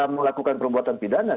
melakukan perbuatan pidana